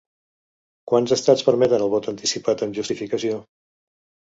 Quants estats permeten el vot anticipat amb justificació?